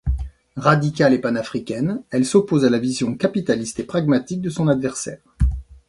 Radicale et panafricaine, elle s'oppose à la vision capitaliste et pragmatique de son adversaire.